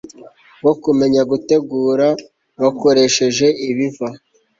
bwo kumenya gutegura bakoresheje ibiva